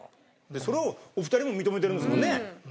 それをお二人も認めてるんですもんね。